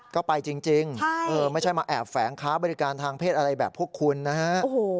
ก็ไปจริงไม่ใช่มาแอบแฝงค้าบริการทางเพศอะไรแบบพวกคุณนะฮะ